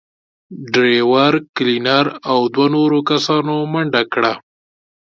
ډرېور، کلينر او دوو نورو کسانو منډه کړه.